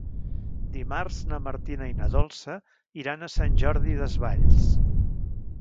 Dimarts na Martina i na Dolça iran a Sant Jordi Desvalls.